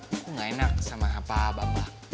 aku gak enak sama apa apa mbak